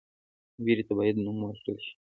ویرې ته باید نوم ورکړل شي.